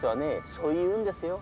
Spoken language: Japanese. そう言うんですよ。